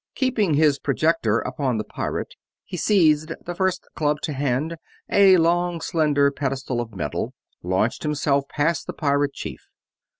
Keeping his projector upon the pirate, he seized the first club to hand a long, slender pedestal of metal launched himself past the pirate chief.